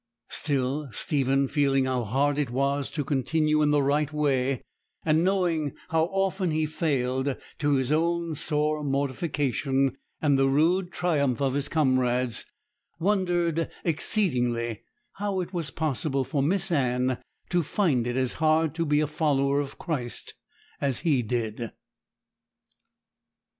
Still Stephen, feeling how hard it was to continue in the right way, and knowing how often he failed, to his own sore mortification and the rude triumph of his comrades, wondered exceedingly how it was possible for Miss Anne to find it as hard to be a follower of Christ as he did.